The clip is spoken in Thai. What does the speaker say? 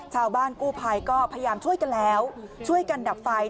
ชาวบ้านกู้ภัยก็พยายามช่วยกันแล้วช่วยกันดับไฟ